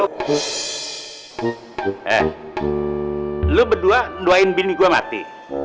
eh lu berdua doain bini gua mati